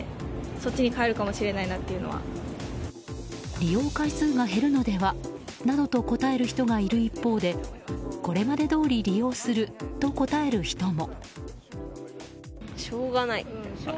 利用回数が減るのではなどと答える人がいる一方でこれまでどおり利用すると答える人も。